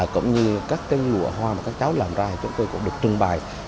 cũng như các cái nhuộm quả hoa mà các cháu làm ra thì chúng tôi cũng được trưng bài